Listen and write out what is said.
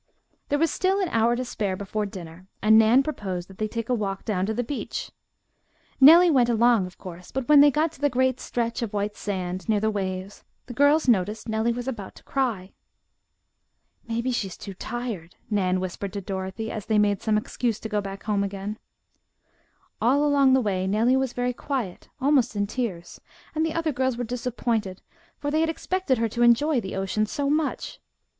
There was still an hour to spare before dinner, and Nan proposed that they take a walk down to the beach. Nellie went along, of course, but when they got to the great stretch of white sand, near the waves, the girls noticed Nellie was about to cry. "Maybe she is too tired," Nan whispered to Dorothy, as they made some excuse to go back home again. All along the way Nellie was very quiet, almost in tears, and the other girls were disappointed, for they had expected her to enjoy the ocean so much.